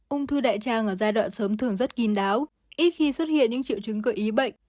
ung thư đại tràng ở giai đoạn sớm thường rất kín đáo ít khi xuất hiện những triệu chứng gợi ý bệnh